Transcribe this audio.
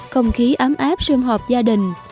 không khí ấm áp xương hợp gia đình